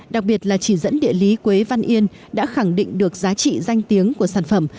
đặc biệt là chỉ dẫn địa lý quế văn yên đã khẳng định được giá trị danh tiếng của sản phẩm